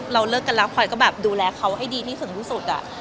เราเลิกกันแล้วคอยก็แบบดูแลเขาให้ดีที่สุดที่สุดอะ